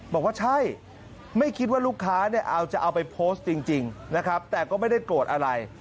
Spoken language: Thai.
บอกว่าใช่ไม่คิดว่าลูกค้าเนี่ยเอาจะเอาไปโพสต์จริงนะครับแต่ก็ไม่ได้โกรธอะไร